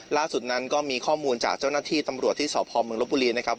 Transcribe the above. ล่าสุดนั้นก็มีข้อมูลจากเจ้าหน้าที่ตำรวจที่สพเมืองลบบุรีนะครับ